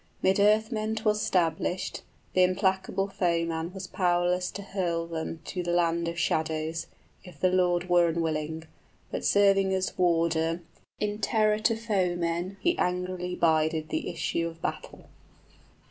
'Mid earthmen 'twas 'stablished, Th' implacable foeman was powerless to hurl them To the land of shadows, if the Lord were unwilling; But serving as warder, in terror to foemen, He angrily bided the issue of battle.